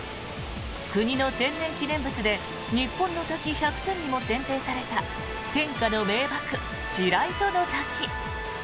国の天然記念物で日本の滝百選にも選定された天下の名瀑、白糸の滝。